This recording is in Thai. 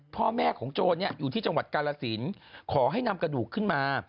พ่อแม่ของโจรอยู่ที่จังหวัดกาลสินขอให้นำกระดูกขึ้นมา